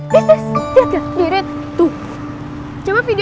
pengetahuan shallweeg air detail molto dirty